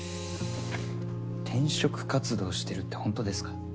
転職活動してるってほんとですか？